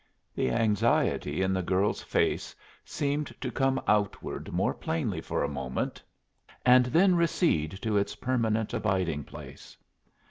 The anxiety in the girl's face seemed to come outward more plainly for a moment, and then recede to its permanent abiding place.